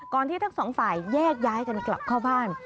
ที่ทั้งสองฝ่ายแยกย้ายกันกลับเข้าบ้าน